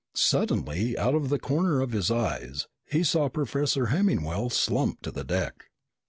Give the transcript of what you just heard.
Suddenly, out of the corner of his eyes, he saw Professor Hemmingwell slump to the deck.